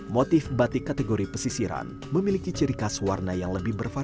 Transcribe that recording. motif batik kategori pesisiran memiliki ciri khas warna yang lebih bervariasi